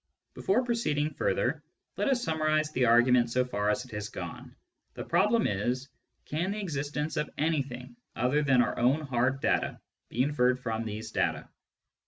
Before proceeding further, let us summarise the argu ment so far as it has gone. The problem is :" Can the existence of anything other than our own hard data be inferred from these data